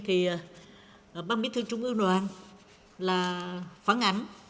thì ban bí thư trung ương đoàn là phản ánh